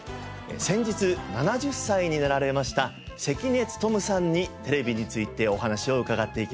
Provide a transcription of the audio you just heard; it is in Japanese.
先日７０歳になられました関根勤さんにテレビについてお話を伺っていきます。